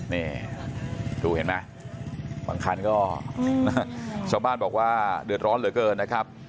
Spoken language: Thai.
นี่ดูเห็นไหมบางคันก็ชาวบ้านบอกว่าเดือดร้อนเหลือเกินนะครับ